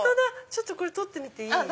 ちょっとこれ取ってみていい？